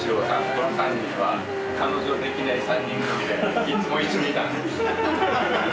この３人は彼女できない３人組でいつも一緒にいたんです。